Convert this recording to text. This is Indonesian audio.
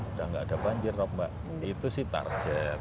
udah gak ada banjir itu sih target